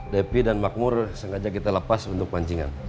depi dan makmur sengaja kita lepas untuk pancingan